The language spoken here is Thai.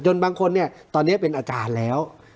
จนบางคนตอนนี้เป็นอาจารย์แล้ว